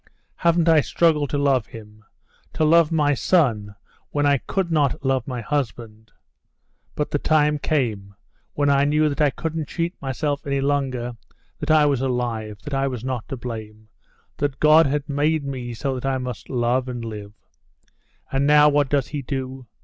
Haven't I struggled to love him, to love my son when I could not love my husband? But the time came when I knew that I couldn't cheat myself any longer, that I was alive, that I was not to blame, that God has made me so that I must love and live. And now what does he do?